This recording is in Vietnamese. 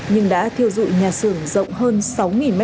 nhưng đã thiêu dụi nhà xưởng rộng hơn sáu m hai